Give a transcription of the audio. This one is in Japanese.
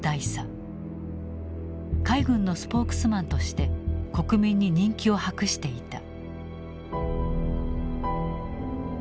海軍のスポークスマンとして国民に人気を博していた。